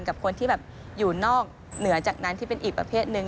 กับคนที่แบบอยู่นอกเหนือจากนั้นที่เป็นอีกประเภทหนึ่ง